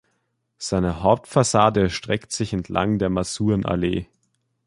Seine Hauptfassade erstreckt sich entlang der Masurenallee.